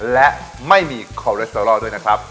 และไม่มีคอเลสเตอรอลด้วยนะครับ